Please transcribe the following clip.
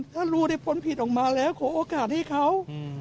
ถ้ารู้ได้พ้นผิดออกมาแล้วขอโอกาสให้เขา